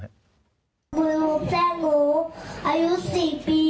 ปุ๊บแหร่งหมูอายุสี่ปี